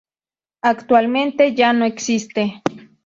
Actualmente ya no existe.